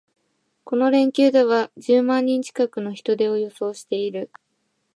この連休では十万人近くの人出を予想している